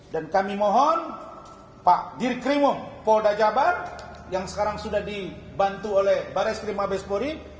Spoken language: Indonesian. dan kami mohon pak dirkrimo polda jabar yang sekarang sudah dibantu oleh baris prima bespori